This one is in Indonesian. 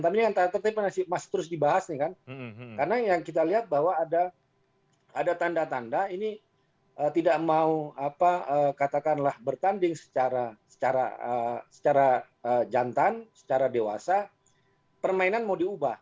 tapi masih terus dibahas nih kan karena yang kita lihat bahwa ada tanda tanda ini tidak mau apa katakanlah bertanding secara jantan secara dewasa permainan mau diubah